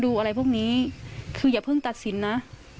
อะไรพวกนี้คืออย่าเพิ่งตัดสินนะ